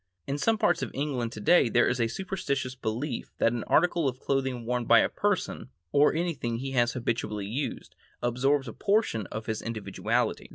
In some parts of England today there is a superstitious belief that an article of clothing worn by a person, or anything he has habitually used, absorbs a portion of his individuality.